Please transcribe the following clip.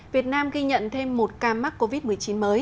việt nam ghi nhận thêm một ca mắc covid một mươi chín mới